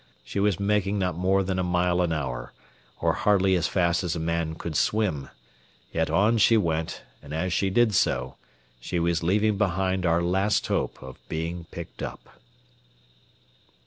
She was making not more than a mile an hour, or hardly as fast as a man could swim, yet on she went, and as she did so, she was leaving behind our last hope of being picked up.